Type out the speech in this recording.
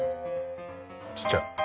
ちっちゃい。